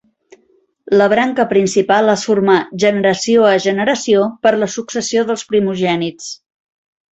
La branca principal es formà generació a generació per la successió dels primogènits.